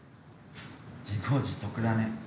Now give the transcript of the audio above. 自業自得だね。